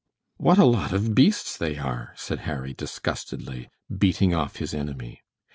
"What a lot of beasts they are!" said Harry, disgustedly, beating off his enemy.